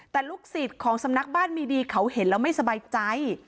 แต่ลูกศิษย์ของสำนักบ้านมีดีเขาเห็นแล้วไม่สบายใจ